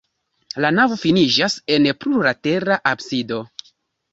La navo finiĝas en plurlatera absido.